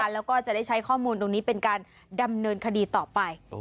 แล้วก็จะได้ใช้ข้อมูลตรงนี้เป็นการดำเนินคดีต่อไป